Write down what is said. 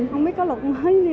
không biết có lục mới như thế nào